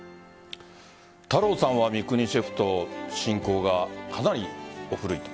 太郎さんは三國シェフと親交がかなりお古いと。